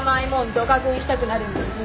どか食いしたくなるんです。